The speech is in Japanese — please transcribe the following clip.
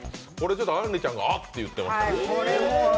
あんりちゃんが「あっ」て言ってた。